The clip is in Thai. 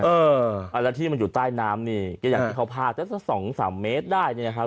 เออแล้วที่มันอยู่ใต้น้ำนี่ก็อย่างที่เขาพาดสักสองสามเมตรได้เนี่ยนะครับ